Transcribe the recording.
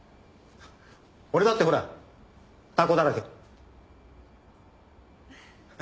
俺だってほらタコだらけ。